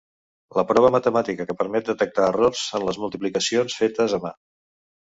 La prova matemàtica que permet detectar errors en les multiplicacions fetes a mà.